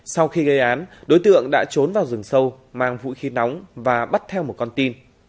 sau khi gây án đối tượng đã trốn vào rừng sâu mang vũ khí nóng và bắt theo một con tin